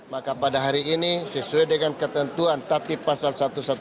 maka pada hari ini sesuai dengan ketentuan tatib pasal satu ratus dua belas